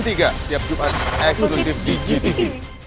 tiap jumat eksklusif di gtv